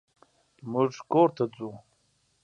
مونږ کور ته ځو.